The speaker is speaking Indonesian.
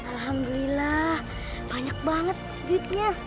alhamdulillah banyak banget duitnya